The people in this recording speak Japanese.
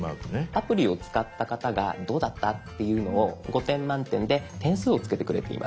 アプリ使った方がどうだったっていうのを５点満点で点数をつけてくれています。